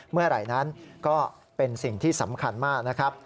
เมื่อไหร่นั้นก็เป็นสิ่งที่สำคัญมากนะครับ